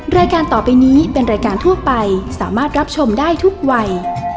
รายการต่อไปนี้เป็นรายการทั่วไปสามารถรับชมได้ทุกวัย